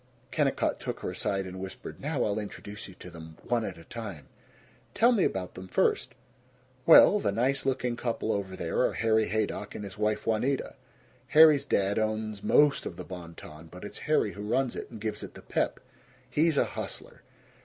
Kennicott took her aside and whispered, "Now I'll introduce you to them, one at a time." "Tell me about them first." "Well, the nice looking couple over there are Harry Haydock and his wife, Juanita. Harry's dad owns most of the Bon Ton, but it's Harry who runs it and gives it the pep. He's a hustler.